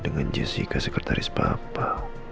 dengan jessica sekretaris papa